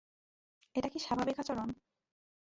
এটা কি স্বাভাবিক আচরণ?